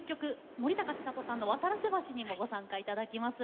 森高千里さんの「渡良瀬橋」にもご参加頂きます。